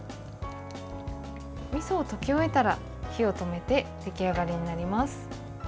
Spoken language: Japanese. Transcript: みそを溶き終えたら、火を止めて出来上がりになります。